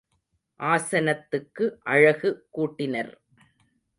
ஆசனத்துக்கு அழகு கூட்டினர்.